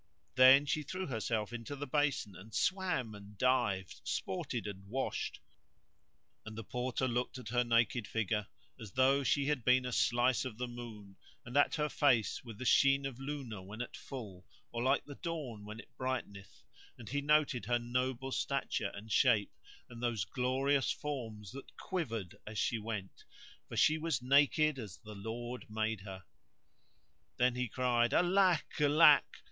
"[FN#160] Then she threw herself into the basin, and swam and dived, sported and washed; and the Porter looked at her naked figure as though she had been a slice of the moon[FN#161] and at her face with the sheen of Luna when at full, or like the dawn when it brighteneth, and he noted her noble stature and shape, and those glorious forms that quivered as she went; for she was naked as the Lord made her. Then he cried "Alack! Alack!"